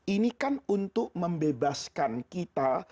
ini kan untuk membebaskan kita